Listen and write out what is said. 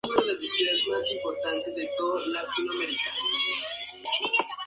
Luego, enfermó de la Enfermedad de Bright.